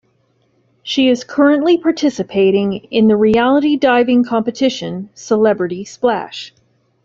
She is currently participating in the reality diving competition Celebrity Splash!